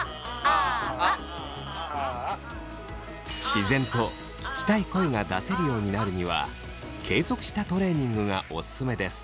自然と聞きたい声が出せるようになるには継続したトレーニングがオススメです。